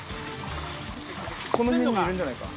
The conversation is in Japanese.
この辺にいるんじゃないか？